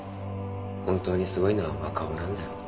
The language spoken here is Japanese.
本当にすごいのは若尾なんだよ。